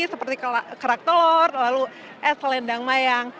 seperti kerak telur lalu es selendang mayang